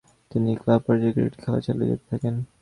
তিনি ক্লাব পর্যায়ের ক্রিকেটে খেলা চালিয়ে যেতে থাকেন।